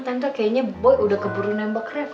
tante kayaknya boy udah keburu nembak ref